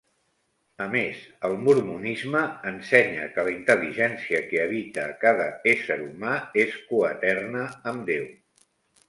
A més, el mormonisme ensenya que la intel·ligència que habita a cada ésser humà és coeterna amb Déu.